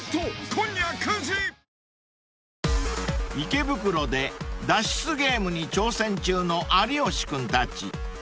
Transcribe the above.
［池袋で脱出ゲームに挑戦中の有吉君たち］